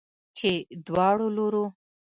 چې دواړو لورو